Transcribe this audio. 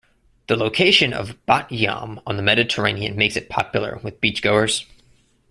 The location of Bat Yam on the Mediterranean makes it popular with beach-goers.